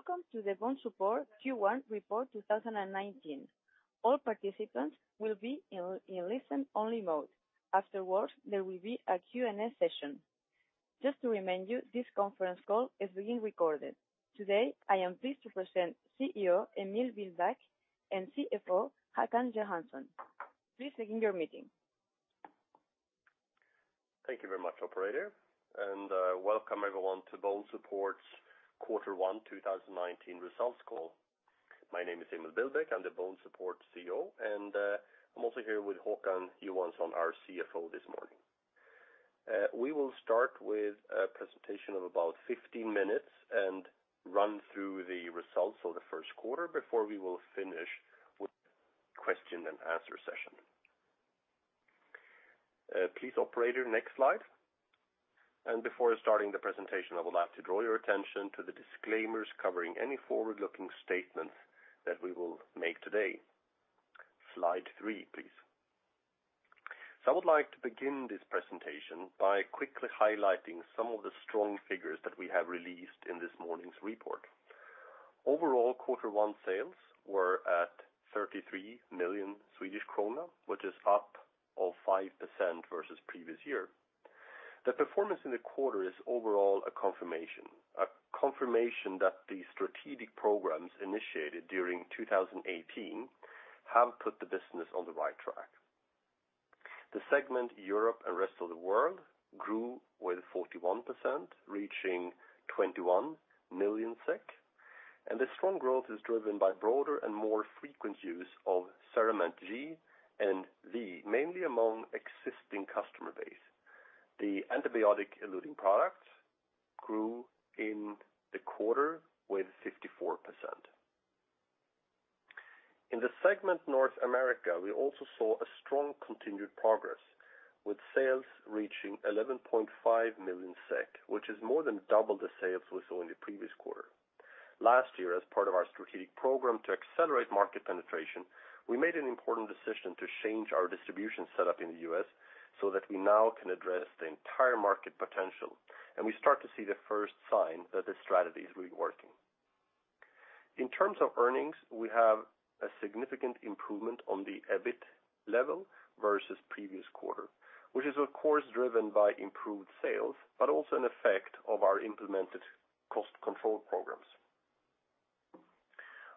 Welcome to the BONESUPPORT Q1 Report 2019. All participants will be in listen-only mode. Afterwards, there will be a Q&A session. Just to remind you, this conference call is being recorded. Today, I am pleased to present CEO, Emil Billbäck, and CFO, Håkan Johansson. Please begin your meeting. Thank you very much, operator, welcome everyone to BONESUPPORT's Quarter 1 2019 results call. My name is Emil Billbäck. I'm the BONESUPPORT CEO, I'm also here with Håkan Johansson, our CFO this morning. We will start with a presentation of about 15 minutes and run through the results of the first quarter before we will finish with the question and answer session. Please, operator, next slide. Before starting the presentation, I would like to draw your attention to the disclaimers covering any forward-looking statements that we will make today. Slide 3, please. I would like to begin this presentation by quickly highlighting some of the strong figures that we have released in this morning's report. Overall, Quarter 1 sales were at 33 million Swedish krona, which is up of 5% versus previous year. The performance in the quarter is overall a confirmation, a confirmation that the strategic programs initiated during 2018 have put the business on the right track. The segment, Europe and Rest of the World, grew with 41%, reaching 21 million. The strong growth is driven by broader and more frequent use of CERAMENT G and the mainly among existing customer base. The antibiotic-eluting products grew in the quarter with 54%. In the segment North America, we also saw a strong continued progress, with sales reaching 11.5 million SEK, which is more than double the sales we saw in the previous quarter. Last year, as part of our strategic program to accelerate market penetration, we made an important decision to change our distribution setup in the U.S. so that we now can address the entire market potential. We start to see the first sign that the strategy is really working. In terms of earnings, we have a significant improvement on the EBIT level versus previous quarter, which is, of course, driven by improved sales, but also an effect of our implemented cost control programs.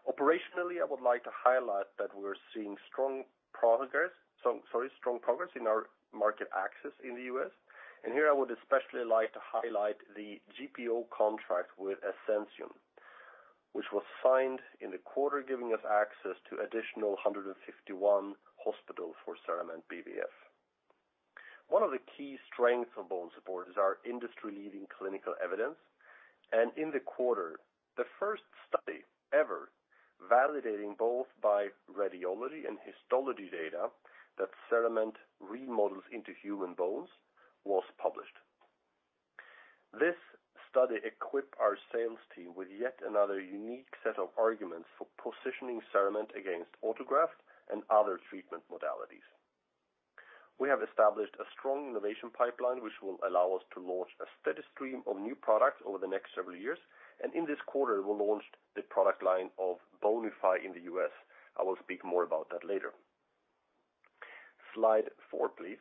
Operationally, I would like to highlight that we're seeing strong progress in our market access in the U.S. Here I would especially like to highlight the GPO contract with Ascension, which was signed in the quarter, giving us access to additional 151 hospitals for CERAMENT BVF. One of the key strengths of BONESUPPORT is our industry-leading clinical evidence, and in the quarter, the first study ever validating both by radiology and histology data that CERAMENT remodels into human bones was published. This study equip our sales team with yet another unique set of arguments for positioning CERAMENT against autograft and other treatment modalities. We have established a strong innovation pipeline, which will allow us to launch a steady stream of new products over the next several years, and in this quarter, we launched the product line of BONIFY in the U.S. I will speak more about that later. Slide four, please.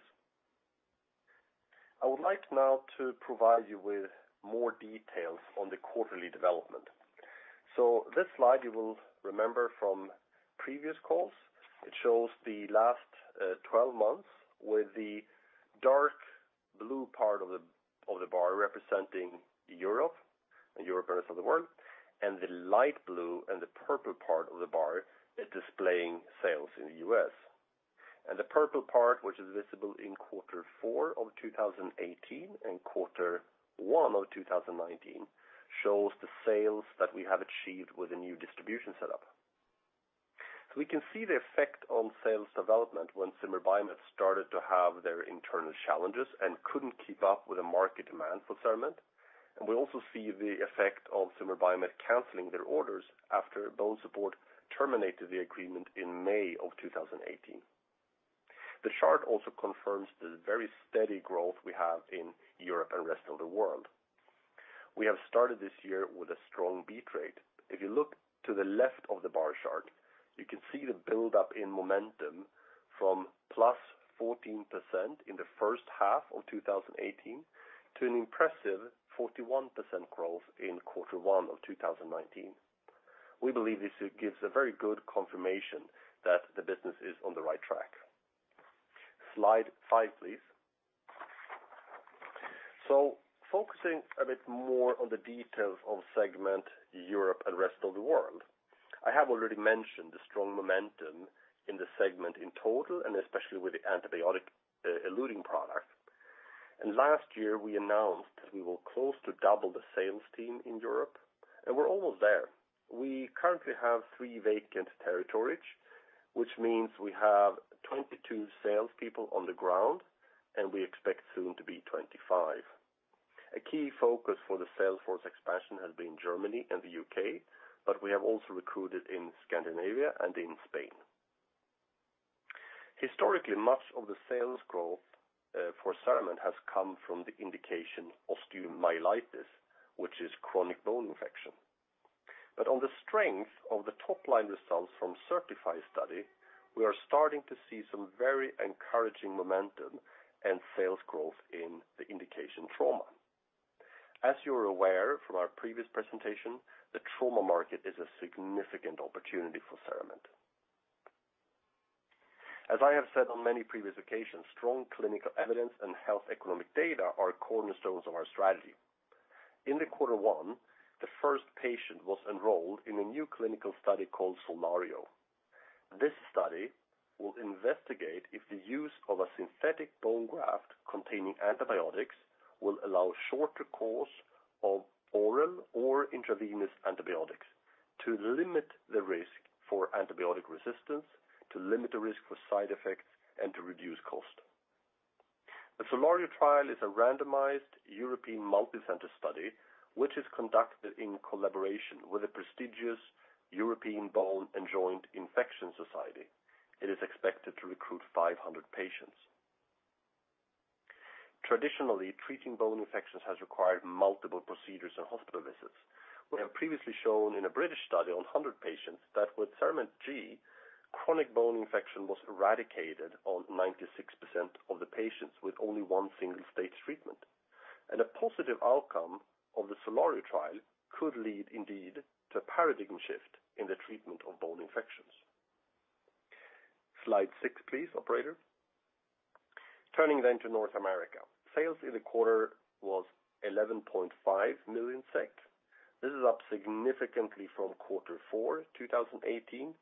This slide you will remember from previous calls. It shows the last 12 months, with the dark blue part of the, of the bar representing Europe and Europe, Rest of the World, and the light blue and the purple part of the bar is displaying sales in the U.S. The purple part, which is visible in quarter four of 2018 and quarter one of 2019, shows the sales that we have achieved with the new distribution setup. We can see the effect on sales development when Zimmer Biomet started to have their internal challenges and couldn't keep up with the market demand for CERAMENT. We also see the effect of Zimmer Biomet canceling their orders after BONESUPPORT terminated the agreement in May of 2018. The chart also confirms the very steady growth we have in Europe and Rest of the World. We have started this year with a strong beat rate. If you look to the left of the bar chart, you can see the buildup in momentum from +14% in the first half of 2018 to an impressive 41% growth in quarter one of 2019. We believe this gives a very good confirmation that the business is on the right track. Slide 5, please. Focusing a bit more on the details of segment Europe and Rest of the World, I have already mentioned the strong momentum in the segment in total, and especially with the antibiotic eluting product. Last year, we announced that we will close to double the sales team in Europe, and we're almost there. We currently have three vacant territories, which means we have 22 salespeople on the ground, and we expect soon to be 25. We have also recruited in Scandinavia and in Spain. Historically, much of the sales growth for CERAMENT has come from the indication osteomyelitis, which is chronic bone infection. On the strength of the top-line results from CERTiFy study, we are starting to see some very encouraging momentum and sales growth in the indication trauma. As you are aware from our previous presentation, the trauma market is a significant opportunity for CERAMENT. As I have said on many previous occasions, strong clinical evidence and health economic data are cornerstones of our strategy. In the quarter one, the first patient was enrolled in a new clinical study called SOLARIO. This study will investigate if the use of a synthetic bone graft containing antibiotics will allow shorter course of oral or intravenous antibiotics to limit the risk for antibiotic resistance, to limit the risk for side effects, and to reduce cost. The SOLARIO trial is a randomized European multicenter study, which is conducted in collaboration with a prestigious European Bone and Joint Infection Society. It is expected to recruit 500 patients. Traditionally, treating bone infections has required multiple procedures and hospital visits. We have previously shown in a British study on 100 patients that with CERAMENT G, chronic bone infection was eradicated on 96% of the patients with only one single-stage treatment. A positive outcome of the SOLARIO trial could lead indeed to a paradigm shift in the treatment of bone infections. Slide 6, please, operator. Turning to North America, sales in the quarter was 11.5 million SEK. This is up significantly from Q4 2018,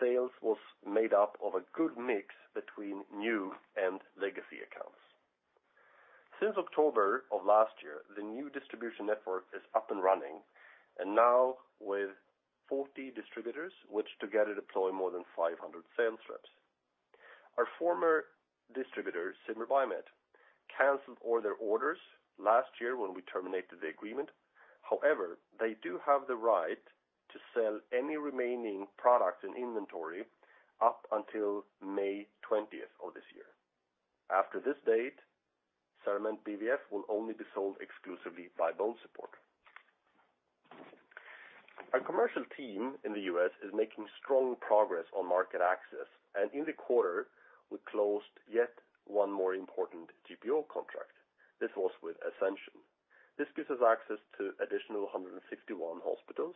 sales was made up of a good mix between new and legacy accounts. Since October of last year, the new distribution network is up and running, now with 40 distributors, which together deploy more than 500 sales reps. Our former distributor, Zimmer Biomet, canceled all their orders last year when we terminated the agreement. However, they do have the right to sell any remaining products in inventory up until May 20th of this year. After this date, CERAMENT BVF will only be sold exclusively by BONESUPPORT. Our commercial team in the U.S. is making strong progress on market access, in the quarter, we closed yet one more important GPO contract. This was with Ascension. This gives us access to additional 161 hospitals.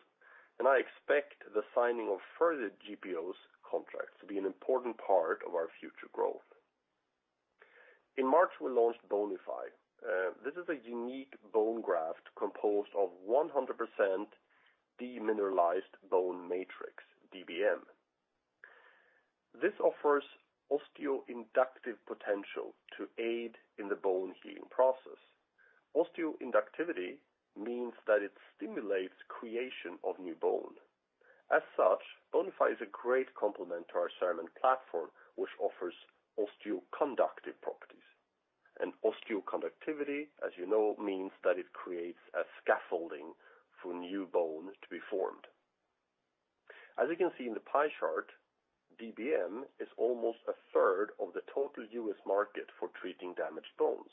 I expect the signing of further GPOs contracts to be an important part of our future growth. In March, we launched BONIFY. This is a unique bone graft composed of 100% demineralized bone matrix, DBM. This offers osteoinductive potential to aid in the bone healing process. Osteoinductivity means that it stimulates creation of new bone. As such, BONIFY is a great complement to our CERAMENT platform, which offers osteoconductive properties. Osteoconductivity, as you know, means that it creates a scaffolding for new bone to be formed. As you can see in the pie chart, DBM is almost a third of the total US market for treating damaged bones.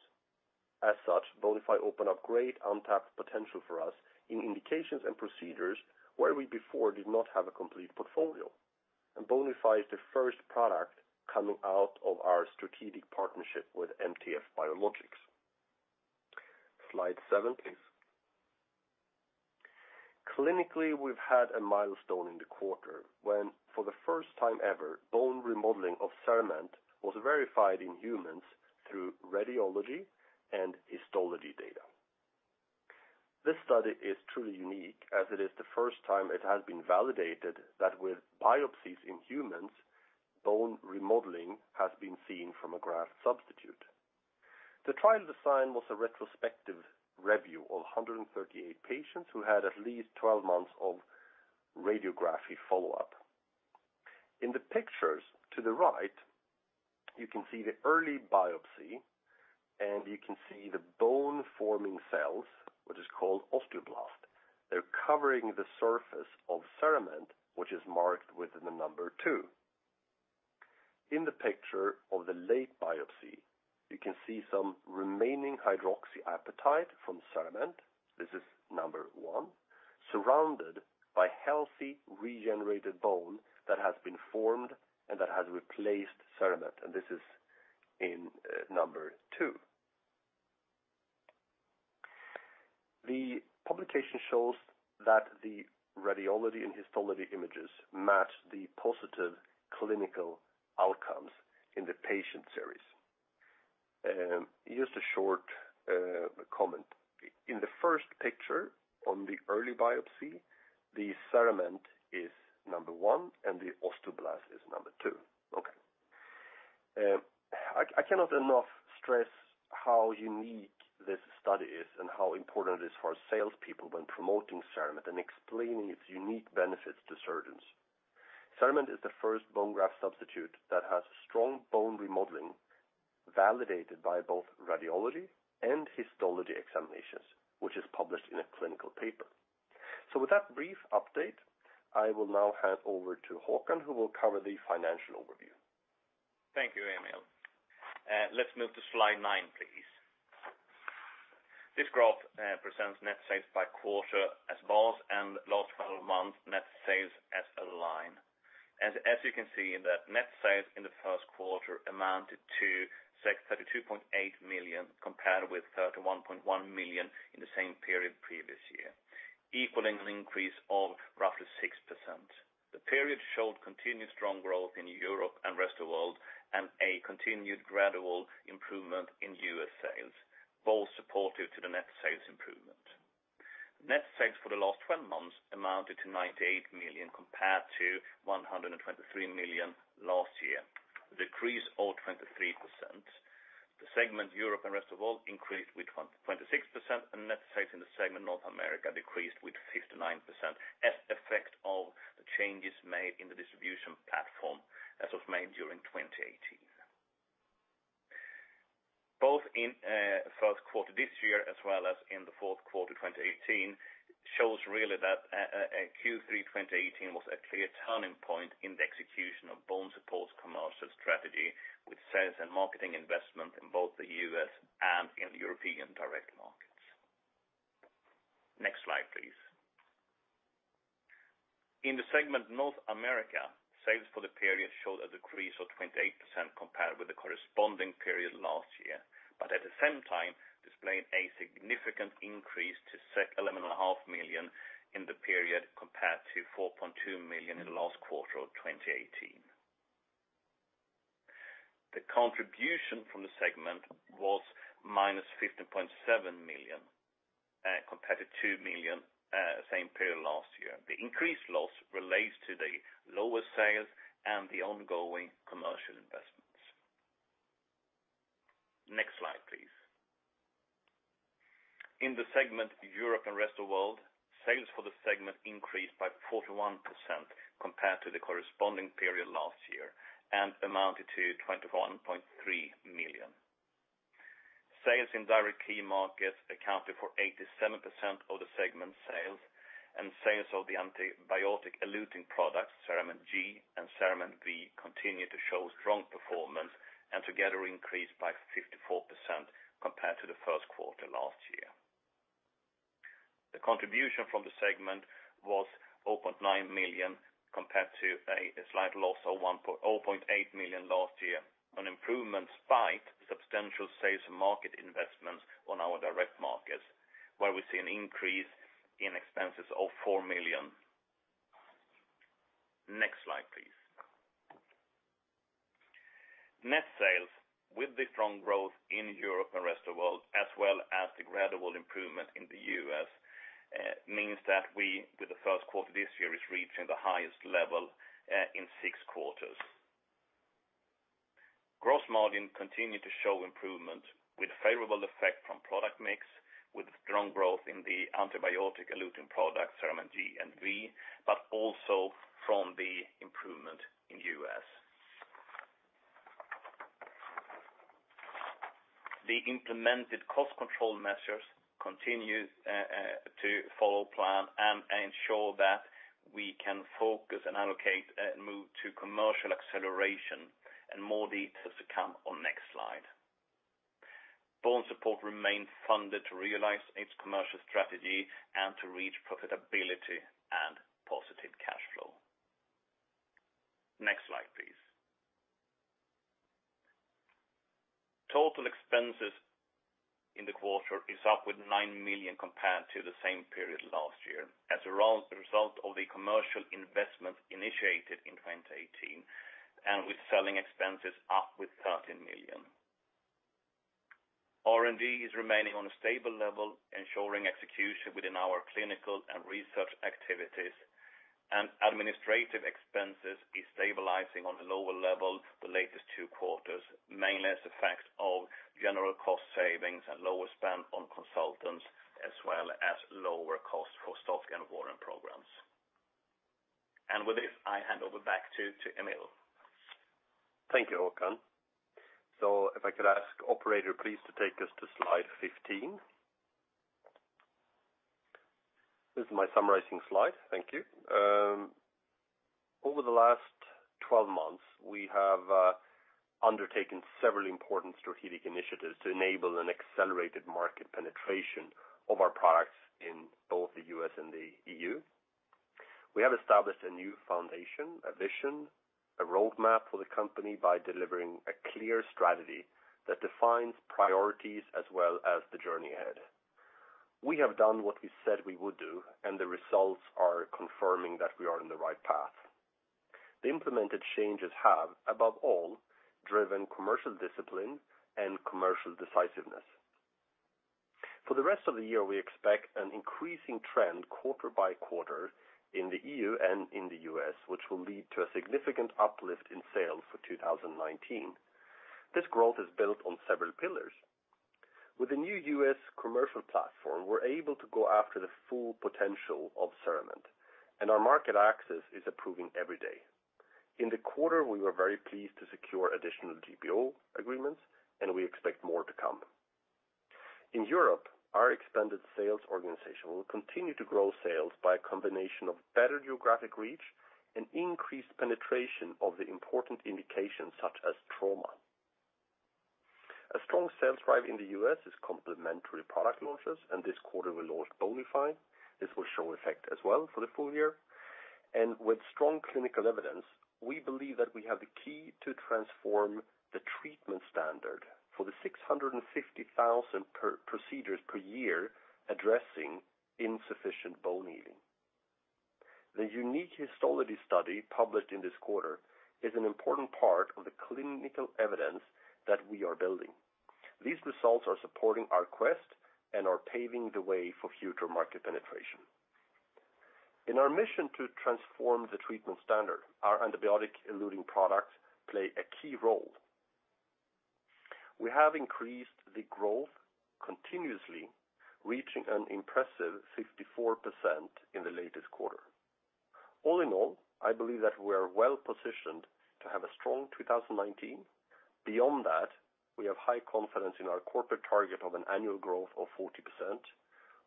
As such, BONIFY open up great untapped potential for us in indications and procedures where we before did not have a complete portfolio. BONIFY is the first product coming out of our strategic partnership with MTF Biologics. Slide 7, please. Clinically, we've had a milestone in the quarter when, for the first time ever, bone remodeling of CERAMENT was verified in humans through radiology and histology data. This study is truly unique, as it is the first time it has been validated that with biopsies in humans, bone remodeling has been seen from a graft substitute. The trial design was a retrospective review of 138 patients who had at least 12 months of radiography follow-up. In the pictures to the right, you can see the early biopsy, and you can see the bone-forming cells, which is called osteoblast. They're covering the surface of CERAMENT, which is marked within the number 2. In the picture of the late biopsy, you can see some remaining hydroxyapatite from CERAMENT, this is number 1, surrounded by healthy regenerated bone that has been formed and that has replaced CERAMENT, and this is in number 2. The publication shows that the radiology and histology images match the positive clinical outcomes in the patient series. Just a short comment. In the first picture on the early biopsy, the CERAMENT is number 1 and the osteoblast is number 2. I cannot enough stress how unique this study is and how important it is for our salespeople when promoting CERAMENT and explaining its unique benefits to surgeons. CERAMENT is the first bone graft substitute that has strong bone remodeling, validated by both radiology and histology examinations, which is published in a clinical paper. With that brief update, I will now hand over to Hakan, who will cover the financial overview. Thank you, Emil. Let's move to slide 9, please. This graph presents net sales by quarter as bars and last 12 months net sales as a line. As you can see, the net sales in the first quarter amounted to 32.8 million, compared with 31.1 million in the same period previous year, equaling an increase of roughly 6%. The period showed continued strong growth in Europe and rest of world, and a continued gradual improvement in U.S. sales, both supportive to the net sales improvement. Net sales for the last 12 months amounted to 98 million, compared to 123 million last year, a decrease of 23%. The segment Europe and rest of world increased with 26%, net sales in the segment North America decreased with 59%, as effect of the changes made in the distribution platform as of May, during 2018. Both in first quarter this year, as well as in the fourth quarter, 2018, shows really that Q3 2018 was a clear turning point in the execution of BONESUPPORT's commercial strategy, with sales and marketing investment in both the U.S. and in European direct markets. Next slide, please. In the segment North America, sales for the period showed a decrease of 28% compared with the corresponding period last year, at the same time, displaying a significant increase to $11 and a half million in the period, compared to $4.2 million in the last quarter of 2018. The contribution from the segment was -15.7 million compared to 2 million same period last year. The increased loss relates to the lower sales and the ongoing commercial investments. Next slide, please. In the segment Europe and Rest of World, sales for the segment increased by 41% compared to the corresponding period last year and amounted to 21.3 million. Sales in direct key markets accounted for 87% of the segment's sales of the antibiotic eluting products, CERAMENT G and CERAMENT V, continue to show strong performance and together increased by 54% compared to the first quarter last year. The contribution from the segment was 0.9 million, compared to a slight loss of 0.8 million last year, an improvement despite substantial sales and market investments on our direct markets, where we see an increase in expenses of 4 million. Next slide, please. Net sales with the strong growth in Europe and rest of world, as well as the gradual improvement in the U.S., means that we, with the first quarter this year, is reaching the highest level in six quarters. Gross margin continued to show improvement with favorable effect from product mix, with strong growth in the antibiotic eluting product, CERAMENT G and V, but also from the improvement in U.S. The implemented cost control measures continue to follow plan and ensure that we can focus and allocate, move to commercial acceleration and more details to come on next slide. BONESUPPORT remains funded to realize its commercial strategy and to reach profitability and positive cash flow. Next slide, please. Total expenses in the quarter is up with 9 million compared to the same period last year, as a result of the commercial investment initiated in 2018, with selling expenses up with 13 million. R&D is remaining on a stable level, ensuring execution within our clinical and research activities. Administrative expenses is stabilizing on a lower level the latest two quarters, mainly as effects of general cost savings and lower spend on consultants, as well as lower cost for stock and warrant programs. With this, I hand over back to Emil. Thank you, Håkan. If I could ask operator, please, to take us to slide 15. This is my summarizing slide. Thank you. Over the last 12 months, we have undertaken several important strategic initiatives to enable an accelerated market penetration of our products in both the U.S. and the E.U. We have established a new foundation, a vision, a roadmap for the company by delivering a clear strategy that defines priorities as well as the journey ahead. We have done what we said we would do, and the results are confirming that we are on the right path. The implemented changes have, above all, driven commercial discipline and commercial decisiveness. For the rest of the year, we expect an increasing trend quarter by quarter in the E.U. and in the U.S., which will lead to a significant uplift in sales for 2019. This growth is built on several pillars. With the new U.S. commercial platform, we're able to go after the full potential of CERAMENT, and our market access is approving every day. In the quarter, we were very pleased to secure additional GPO agreements, and we expect more to come. In Europe, our expanded sales organization will continue to grow sales by a combination of better geographic reach and increased penetration of the important indications, such as trauma. A strong sales drive in the U.S. is complementary product launches, and this quarter we launched BONIFY. This will show effect as well for the full year. With strong clinical evidence, we believe that we have the key to transform the treatment standard for the 650,000 procedures per year, addressing insufficient bone healing. The unique histology study published in this quarter is an important part of the clinical evidence that we are building. These results are supporting our quest and are paving the way for future market penetration. In our mission to transform the treatment standard, our antibiotic-eluting products play a key role. We have increased the growth continuously, reaching an impressive 64% in the latest quarter. All in all, I believe that we are well positioned to have a strong 2019. Beyond that, we have high confidence in our corporate target of an annual growth of 40%.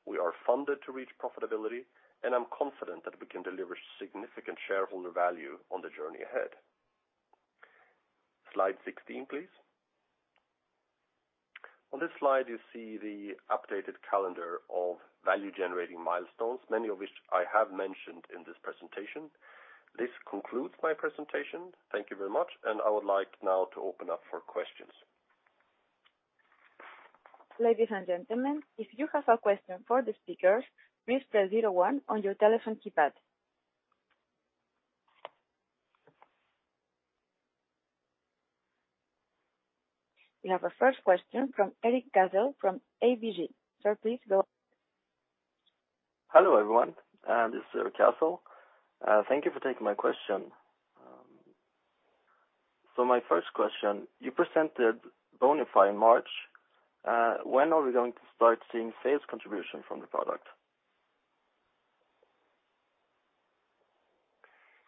We are funded to reach profitability, and I'm confident that we can deliver significant shareholder value on the journey ahead. Slide 16, please. On this slide, you see the updated calendar of value-generating milestones, many of which I have mentioned in this presentation. This concludes my presentation. Thank you very much. I would like now to open up for questions. Ladies and gentlemen, if you have a question for the speakers, please press zero-one on your telephone keypad. We have our first question from Erik Cassel, from ABG. Sir, please go. Hello, everyone, this is Erik Cassel. Thank you for taking my question. My first question, you presented BONIFY in March. When are we going to start seeing sales contribution from the product?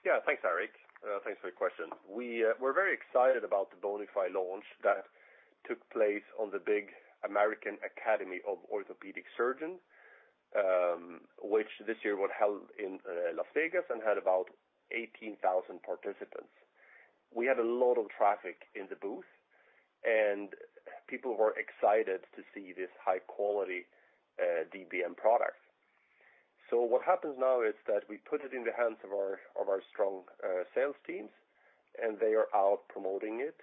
Yeah, thanks, Erik. Thanks for the question. We're very excited about the BONIFY launch that took place on the big American Academy of Orthopaedic Surgeons, which this year was held in Las Vegas and had about 18,000 participants. We had a lot of traffic in the booth, and people were excited to see this high-quality DBM product. What happens now is that we put it in the hands of our strong sales teams, and they are out promoting it.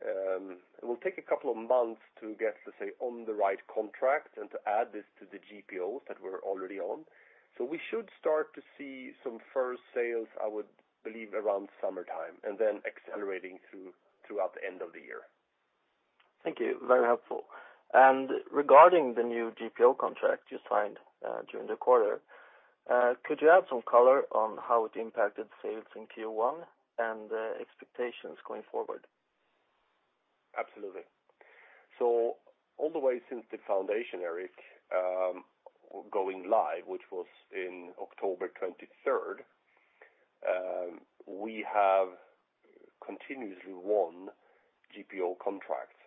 It will take a couple of months to get, to say, on the right contract and to add this to the GPOs that we're already on. We should start to see some first sales, I would believe, around summertime and then accelerating throughout the end of the year. Thank you. Very helpful. Regarding the new GPO contract you signed during the quarter, could you add some color on how it impacted sales in Q1 and expectations going forward? Absolutely. All the way since the foundation, Erik, going live, which was in October 23rd, we have continuously won GPO contracts,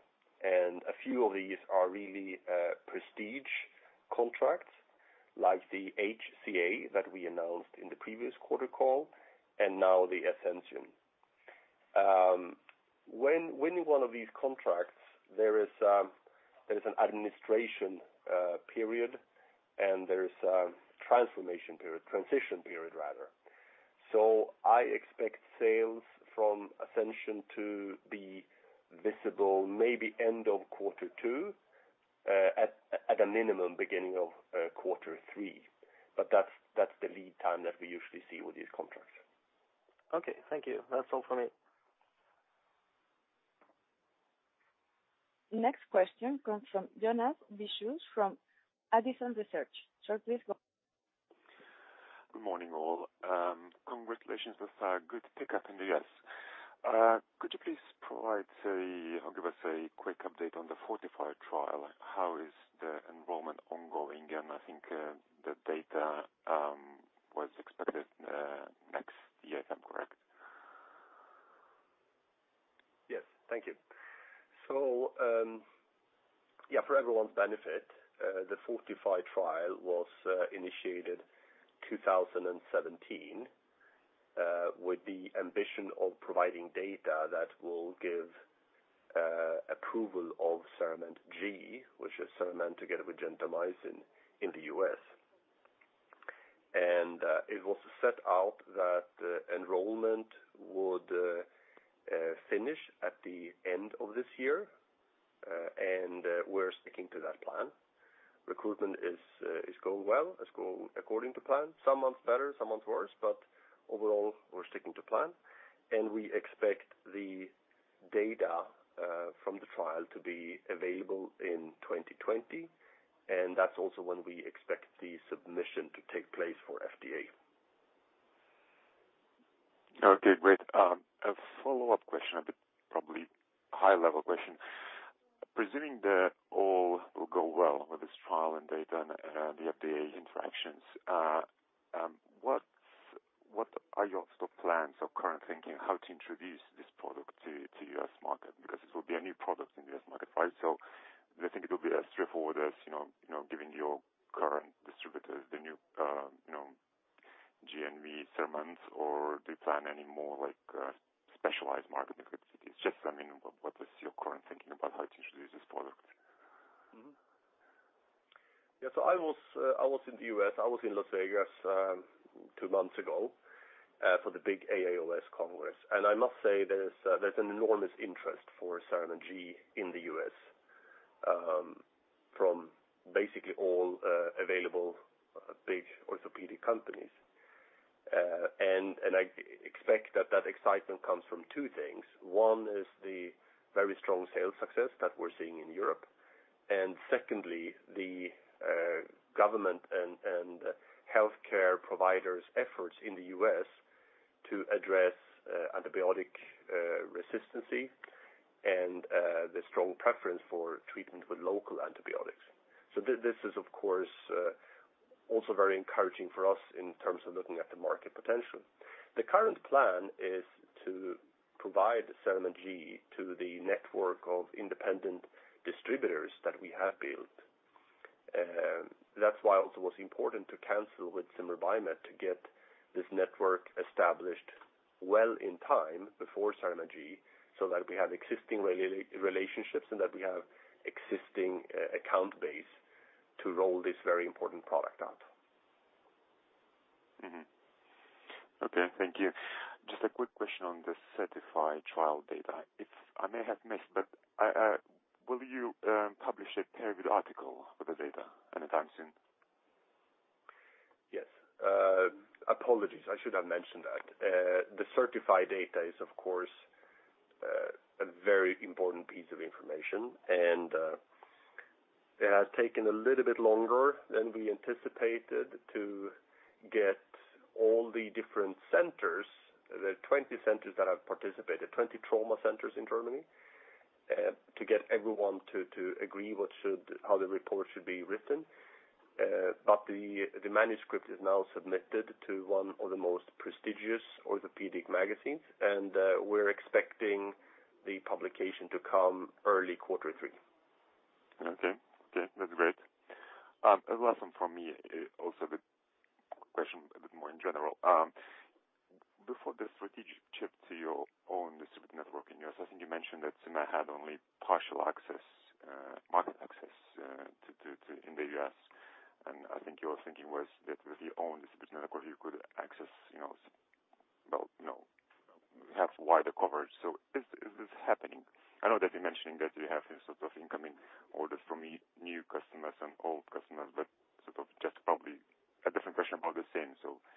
and a few of these are really prestige contracts, like the HCA that we announced in the previous quarter call, and now the Ascension. When winning one of these contracts, there is an administration period, and there is a transition period. I expect sales from Ascension to be visible maybe end of quarter two, at a minimum, beginning of quarter three, but that's the lead time that we usually see with these contracts. Okay. Thank you. That's all from me. Next question comes from Jonas Peciulis from Addison Research. Sir, please go. Good morning, all. Congratulations with a good pickup in the U.S. Could you please give us a quick update on the FORTIFY trial? How is the enrollment ongoing? I think the data was expected next year, if I'm correct. Yes. Thank you. Yeah, for everyone's benefit, the FORTIFY trial was initiated 2017 with the ambition of providing data that will give approval of CERAMENT G, which is CERAMENT together with gentamicin in the U.S. It was set out that enrollment would finish at the end of this year, and we're sticking to that plan. Recruitment is going well, is going according to plan. Some months better, some months worse, but overall, we're sticking to plan. We expect the data from the trial to be available in 2020, and that's also when we expect the submission to take place for FDA. Okay, great. A follow-up question, a bit probably high-level question. Presuming that all will go well with this trial and data and the FDA interactions, what are your sort of plans or current thinking, how to introduce this product to U.S. market? Because this will be a new product in the U.S. market, right? Do you think it'll be as straightforward as, you know, giving your current distributors the new, you know, GNV CERAMENTs, or do you plan any more like, specialized marketing activities? Just, I mean, what is your current thinking about how to introduce this product? Yeah, I was in the U.S., I was in Las Vegas, two months ago, for the big AAOS Congress. I must say there's an enormous interest for CERAMENT G in the U.S. from basically all available big orthopedic companies. I expect that excitement comes from two things. One is the very strong sales success that we're seeing in Europe, secondly, the government and healthcare providers' efforts in the U.S. to address antibiotic resistancy and the strong preference for treatment with local antibiotics. This is, of course, also very encouraging for us in terms of looking at the market potential. The current plan is to provide the CERAMENT G to the network of independent distributors that we have built. That's why also it was important to cancel with Zimmer Biomet to get this network established well in time before CERAMENT G, so that we have existing relationships, and that we have existing account base to roll this very important product out. Mm-hmm. Okay, thank you. Just a quick question on the CERTiFy trial data. If I may have missed, but I will you publish a peer-reviewed article for the data anytime soon? Yes. Apologies, I should have mentioned that. The CERTiFy data is, of course, a very important piece of information, and it has taken a little bit longer than we anticipated to get all the different centers, the 20 centers that have participated, 20 trauma centers in Germany. To get everyone to agree how the report should be written. The manuscript is now submitted to one of the most prestigious orthopedic magazines, and we're expecting the publication to come early quarter three. Okay. Okay, that's great. The last one from me, also the question a bit more in general. Before the strategic shift to your own distribute network in U.S., I think you mentioned that Zimmer had only partial access, market access, In the U.S., and I think your thinking was that with your own distribution network, you could access, you know, well, you know, have wider coverage. Is this happening? I know that you're mentioning that you have sort of incoming orders from new customers and old customers, but sort of just probably a different question about the same. The market access, yes, has the market access improved compared to, you know, what's the Zimmer coverage? Yeah,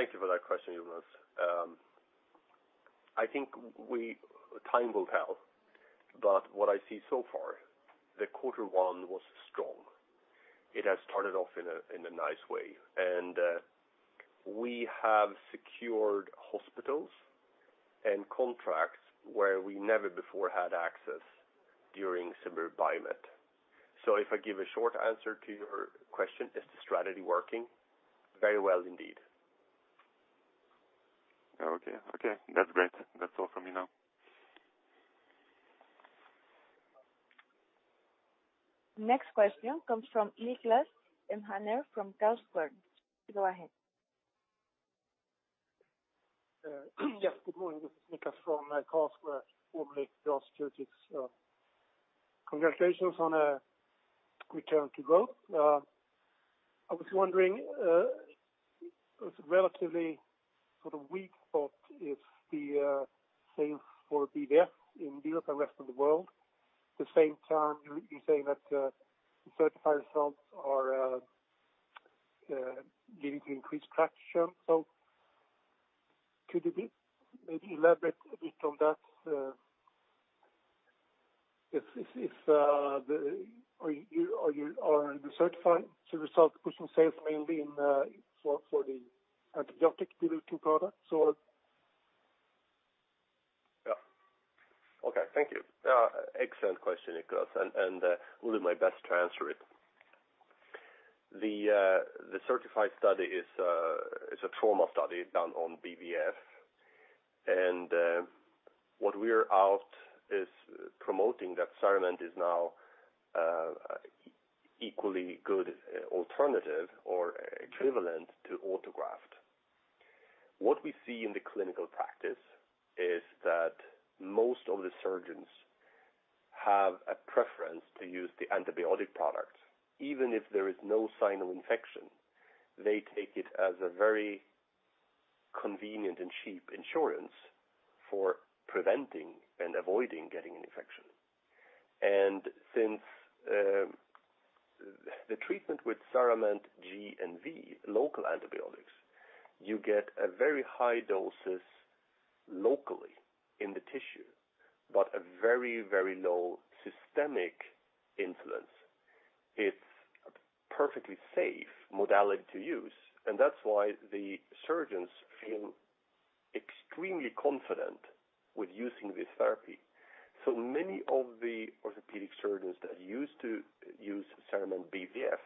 thank you for that question, Jonas. I think time will tell, but what I see so far, the quarter one was strong. It has started off in a nice way. We have secured hospitals and contracts where we never before had access during Zimmer Biomet. If I give a short answer to your question, is the strategy working? Very well, indeed. Okay. Okay, that's great. That's all from me now. Next question comes from Niklas Enhörning from Carlsquare. Go ahead. Yes, good morning. This is Niklas from Carlsquare, formerly Geostratix. Congratulations on return to growth. I was wondering, relatively sort of weak thought if the sales for BVF in the other rest of the world, the same time you say that the CERTiFy results are leading to increased traction. Could you maybe elaborate a bit on that? Are the CERTiFy results pushing sales mainly in for the antibiotic-delivering products or? Yeah. Okay, thank you. Excellent question, Niklas, and, I'll do my best to answer it. The CERTiFy study is a trauma study done on BVF. What we are out is promoting that CERAMENT is now equally good alternative or equivalent to autograft. What we see in the clinical practice is that most of the surgeons have a preference to use the antibiotic product. Even if there is no sign of infection, they take it as a very convenient and cheap insurance for preventing and avoiding getting an infection. The treatment with CERAMENT G and V, local antibiotics, you get a very high doses locally in the tissue, but a very, very low systemic influence. It's a perfectly safe modality to use, and that's why the surgeons feel extremely confident with using this therapy. Many of the orthopedic surgeons that used to use CERAMENT BVF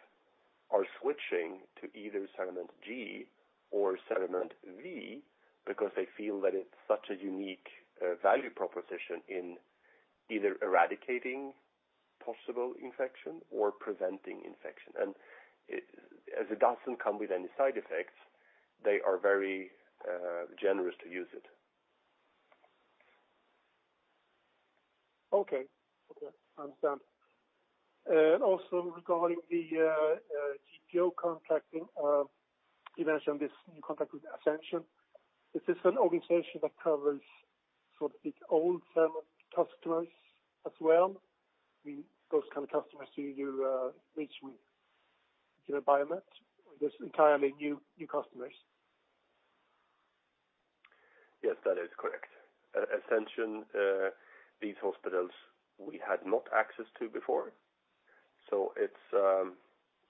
are switching to either CERAMENT G or CERAMENT V, because they feel that it's such a unique value proposition in either eradicating possible infection or preventing infection. As it doesn't come with any side effects, they are very generous to use it. Okay. Okay, understand. Also regarding the GPO contracting, you mentioned this new contract with Ascension. Is this an organization that covers sort of the old CERAMENT customers as well? I mean, those kind of customers who you reached with, you know, Biomet, or this entirely new customers? Yes, that is correct. Ascension, these hospitals we had not access to before.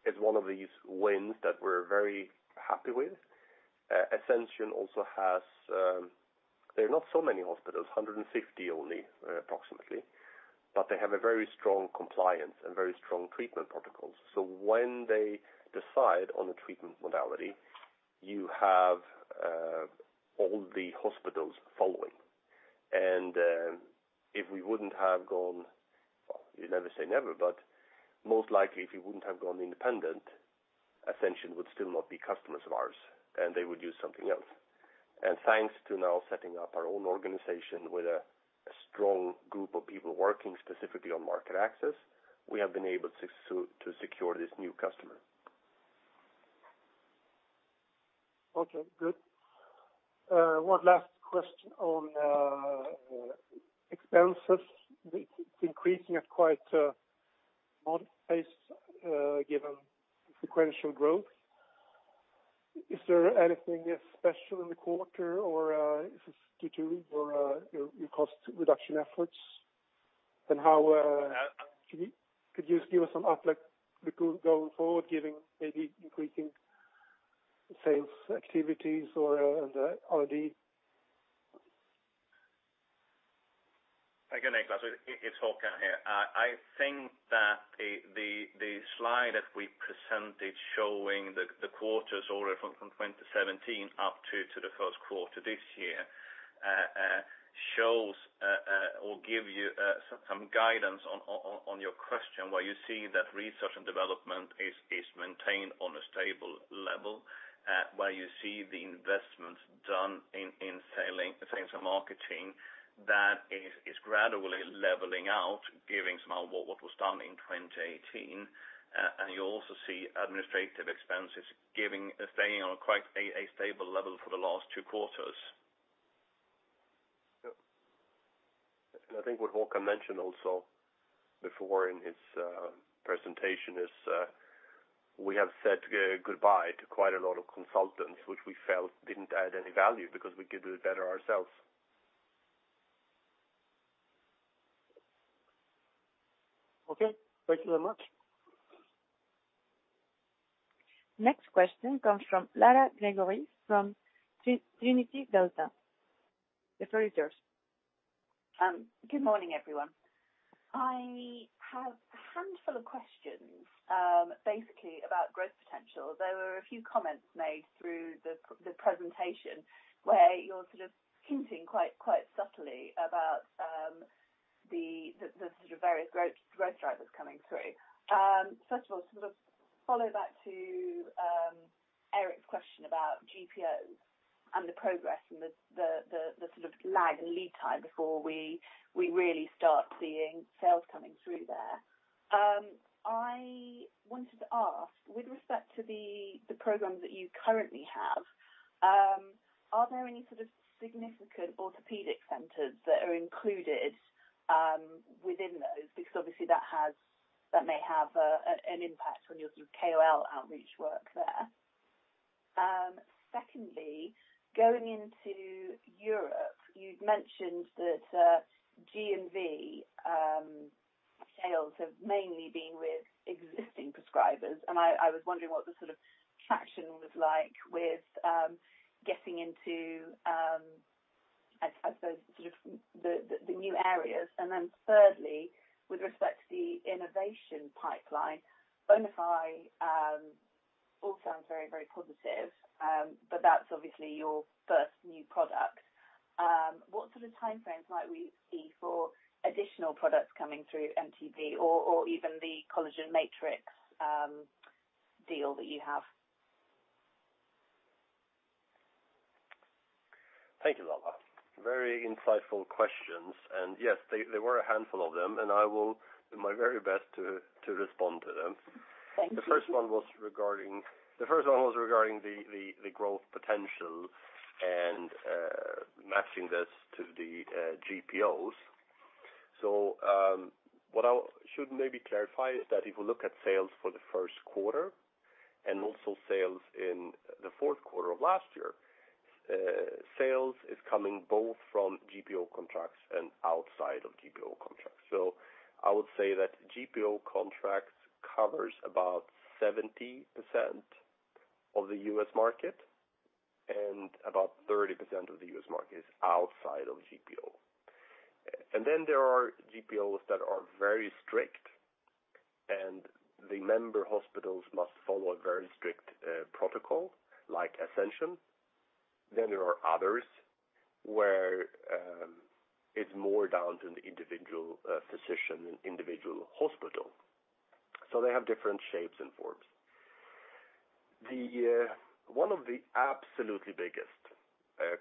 It's one of these wins that we're very happy with. Ascension also has, they're not so many hospitals, 150 only, approximately, but they have a very strong compliance and very strong treatment protocols. When they decide on a treatment modality, you have all the hospitals following. If we wouldn't have gone, well, you never say never, but most likely, if we wouldn't have gone independent, Ascension would still not be customers of ours, and they would use something else. Thanks to now setting up our own organization with a strong group of people working specifically on market access, we have been able to secure this new customer. Okay, good. One last question on expenses. It's increasing at quite a odd pace given the sequential growth. Is there anything special in the quarter or is this due to your cost reduction efforts? How could you just give us some outlook going forward, giving maybe increasing sales activities or the RD? Again, Niklas, it's Hakan here. I think that the slide that we presented showing the quarters order from 2017 up to the first quarter this year, shows or give you some guidance on your question, where you see that research and development is maintained on a stable level, where you see the investment done in selling, sales and marketing, that is gradually leveling out, giving some of what was done in 2018. You also see administrative expenses staying on a quite stable level for the last two quarters. I think what Hakan mentioned also before in his presentation is, we have said goodbye to quite a lot of consultants, which we felt didn't add any value because we could do it better ourselves. Okay. Thank you very much. Next question comes from Lala Gregorek from Trinity Delta. The floor is yours. Good morning, everyone. I have a handful of questions, basically about growth potential. There were a few comments made through the presentation, where you're sort of hinting quite subtly about the sort of various growth drivers coming through. First of all, sort of follow back to Erik's question about GPOs and the progress and the sort of lag and lead time before we really start seeing sales coming through there. I wanted to ask, with respect to the programs that you currently have, are there any sort of significant orthopedic centers that are included within those? Because obviously, that may have an impact on your sort of KOL outreach work there. Secondly, going into Europe, you'd mentioned that G and V sales have mainly been with existing prescribers, and I was wondering what the sort of traction was like with getting into, I suppose, sort of the, the new areas. Thirdly, with respect to the innovation pipeline, BONIFY, all sounds very, very positive, but that's obviously your first new product. What sort of time frames might we see for additional products coming through MTF or even the collagen matrix deal that you have? Thank you, Lala. Very insightful questions. Yes, there were a handful of them. I will do my very best to respond to them. Thank you. The first one was regarding the growth potential and matching this to the GPOs. What I should maybe clarify is that if we look at sales for the first quarter and also sales in the fourth quarter of last year, sales is coming both from GPO contracts and outside of GPO contracts. I would say that GPO contracts covers about 70% of the U.S. market, and about 30% of the U.S. market is outside of GPO. There are GPOs that are very strict, and the member hospitals must follow a very strict protocol like Ascension. There are others where, it's more down to the individual physician and individual hospital. They have different shapes and forms. The one of the absolutely biggest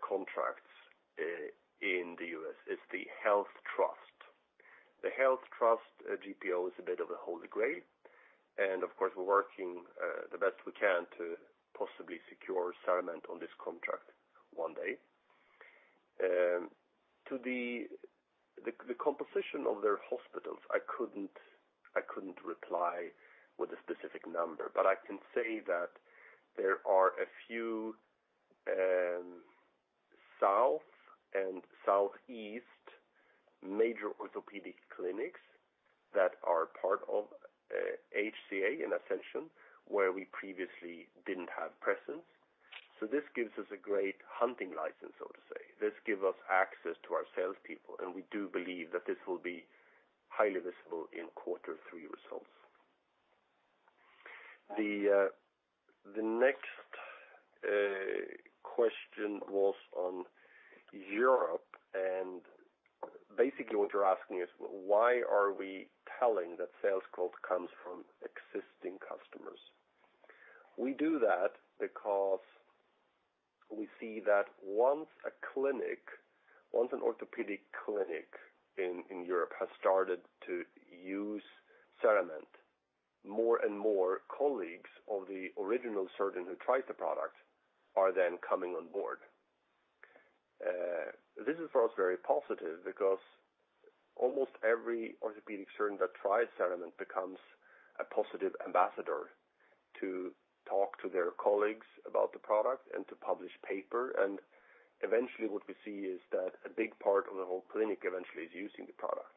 contracts in the U.S. is the Health Trust. The Health Trust GPO is a bit of a holy grail. Of course, we're working the best we can to possibly secure a settlement on this contract one day. To the composition of their hospitals, I couldn't reply with a specific number, but I can say that there are a few south and southeast major orthopedic clinics that are part of HCA and Ascension, where we previously didn't have presence. This gives us a great hunting license, so to say. This gives us access to our salespeople. We do believe that this will be highly visible in quarter three results. The next question was on Europe. Basically what you're asking is, why are we telling that sales growth comes from existing customers? We do that because we see that once a clinic, once an orthopedic clinic in Europe has started to use CERAMENT, more and more colleagues of the original surgeon who tried the product are then coming on board. This is, for us, very positive because almost every orthopedic surgeon that tries CERAMENT becomes a positive ambassador to talk to their colleagues about the product and to publish paper. Eventually, what we see is that a big part of the whole clinic eventually is using the product.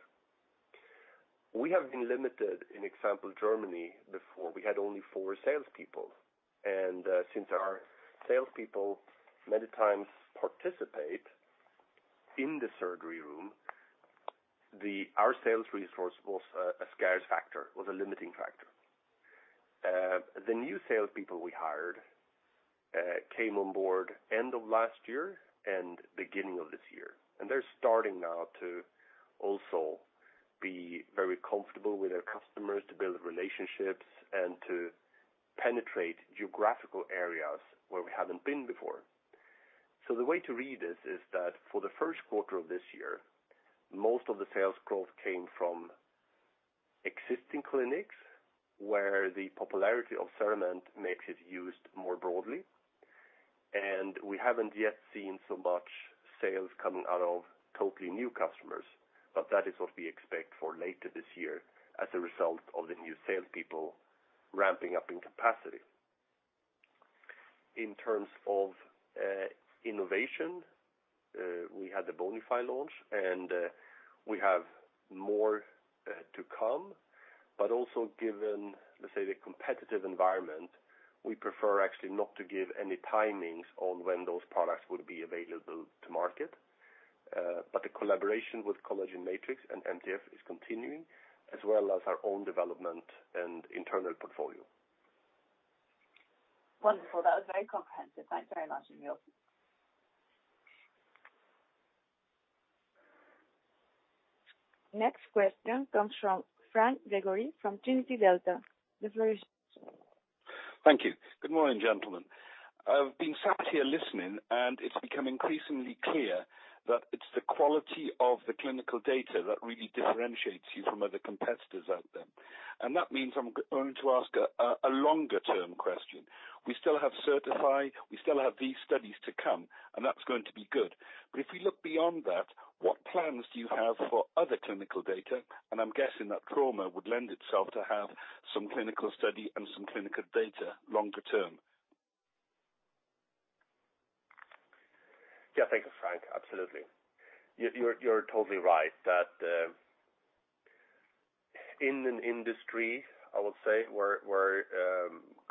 We have been limited in, example, Germany, before we had only four salespeople. Since our salespeople many times participate in the surgery room, our sales resource was a scarce factor, was a limiting factor. The new salespeople we hired came on board end of last year and beginning of this year, and they're starting now to also be very comfortable with their customers, to build relationships and to penetrate geographical areas where we haven't been before. The way to read this is that for the first quarter of this year, most of the sales growth came from existing clinics, where the popularity of CERAMENT makes it used more broadly. We haven't yet seen so much sales coming out of totally new customers, but that is what we expect for later this year as a result of the new salespeople ramping up in capacity. In terms of innovation, we had the BONIFY launch, and we have more to come. Also given, let's say, the competitive environment, we prefer actually not to give any timings on when those products will be available to market. The collaboration with Collagen Matrix and MTF is continuing, as well as our own development and internal portfolio. Wonderful. That was very comprehensive. Thank you very much, Emil. Next question comes from Franc Gregori from Trinity Delta. The floor is yours. Thank you. Good morning, gentlemen. I've been sat here listening. It's become increasingly clear that it's the quality of the clinical data that really differentiates you from other competitors out there. That means I'm going to ask a longer-term question. We still have CERTiFy, we still have these studies to come. That's going to be good. If we look beyond that, what plans do you have for other clinical data? I'm guessing that trauma would lend itself to have some clinical study and some clinical data longer term. Yeah. Thank you, Franc. Absolutely. You're totally right that in an industry, I would say, where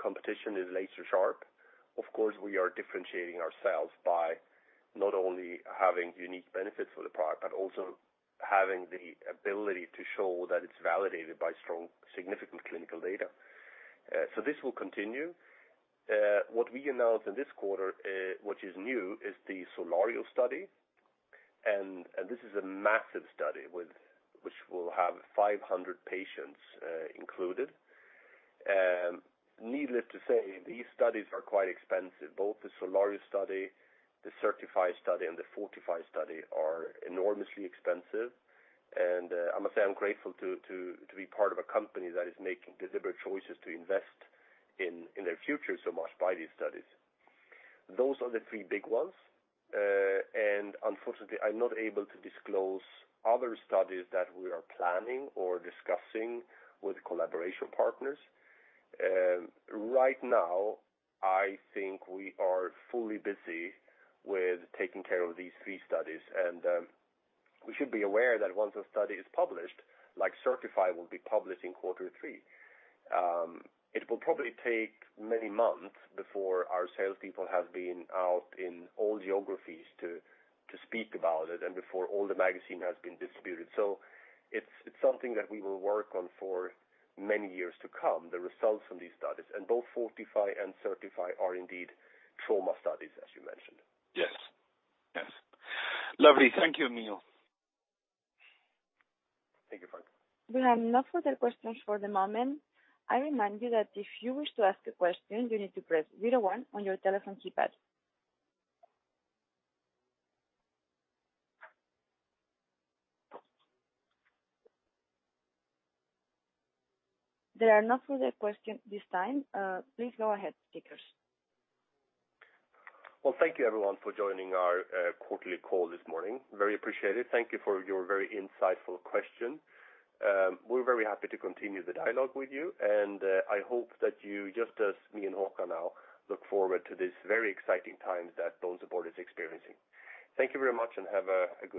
competition is laser sharp, of course, we are differentiating ourselves by not only having unique benefits for the product, but also having the ability to show that it's validated by strong, significant clinical data. This will continue. What we announced in this quarter, which is new, is the SOLARIO study, and this is a massive study which will have 500 patients included. Needless to say, these studies are quite expensive. Both the SOLARIO study, the CERTiFy study, and the FORTIFY study are enormously expensive, and I must say I'm grateful to be part of a company that is making deliberate choices to invest in their future so much by these studies. Those are the threre big ones. Unfortunately, I'm not able to disclose other studies that we are planning or discussing with collaboration partners. Right now, I think we are fully busy with taking care of these three studies, and we should be aware that once a study is published, like CERTiFy will be published in quarter three, it will probably take many months before our salespeople have been out in all geographies to speak about it and before all the magazine has been distributed. It's something that we will work on for many years to come, the results from these studies. Both FORTIFY and CERTiFy are indeed trauma studies, as you mentioned. Yes. Yes. Lovely. Thank you, Emil. Thank you, Franc. We have no further questions for the moment. I remind you that if you wish to ask a question, you need to press zero-one on your telephone keypad. There are no further questions this time. Please go ahead, speakers. Thank you, everyone, for joining our quarterly call this morning. Very appreciated. Thank you for your very insightful question. We're very happy to continue the dialogue with you, I hope that you, just as me and Håkan now, look forward to this very exciting time that BONESUPPORT is experiencing. Thank you very much, have a great day.